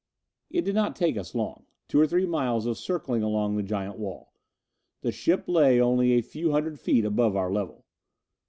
It did not take us long two or three miles of circling along the giant wall. The ship lay only a few hundred feet above our level.